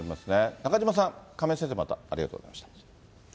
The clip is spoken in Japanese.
中島さん、亀井先生、また、ありがとうございました。